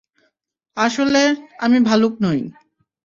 আসলে, আমি ভালুক নই।